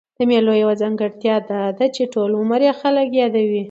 د مېلو یوه ځانګړتیا دا ده، چي ټول عمر ئې خلک يادوي.